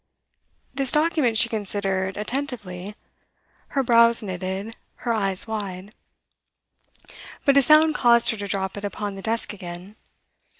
This document she considered attentively, her brows knitted, her eyes wide. But a sound caused her to drop it upon the desk again.